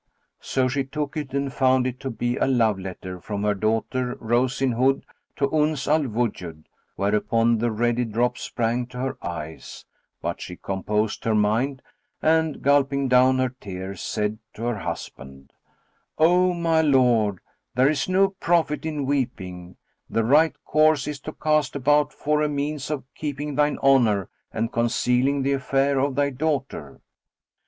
So she took it and found it to be a love letter from her daughter Rose in Hood to Uns al Wujud: whereupon the ready drops sprang to her eyes; but she composed her mind, and, gulping down her tears, said to her husband, "O my lord, there is no profit in weeping: the right course is to cast about for a means of keeping thine honour and concealing the affair of thy daughter."